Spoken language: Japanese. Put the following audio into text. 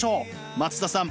松田さん